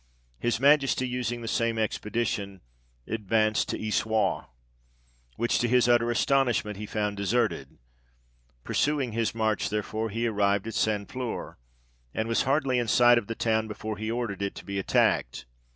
His Majesty using the same expedition, advanced to Issoirre, which to his utter astonishment, he found deserted ; pursuing his march therefore, he arrived at St Flour, and was hardly in sight of the town, before he ordered it to be attacked.